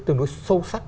tương đối sâu sắc